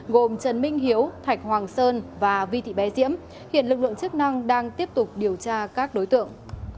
gồm trần minh hiếu thạch hoàng sơn và vi thị bé diễm hiện lực lượng chức năng đang tiếp tục điều tra các đối tượng